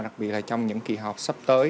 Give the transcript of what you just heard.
đặc biệt là trong những kỳ họp sắp tới